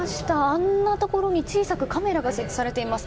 あんなところに小さくカメラが設置されています。